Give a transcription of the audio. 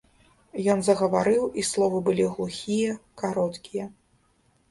Ён загаварыў, і словы былі глухія, кароткія.